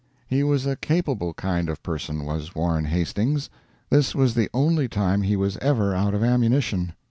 He was a capable kind of person was Warren Hastings. This was the only time he was ever out of ammunition.